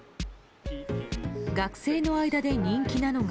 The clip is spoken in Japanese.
学生の間で人気なのが。